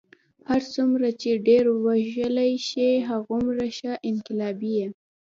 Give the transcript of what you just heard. هر څومره چې ډېر وژلی شې هغومره ښه انقلابي یې.